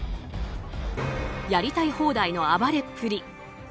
やりたい放題の暴れっぷり。